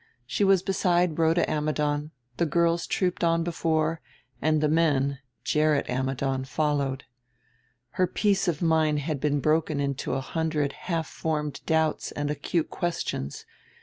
She was beside Rhoda Ammidon, the girls trooped on before, and the men Gerrit Ammidon followed. Her peace of mind had been broken into a hundred half formed doubts and acute questions.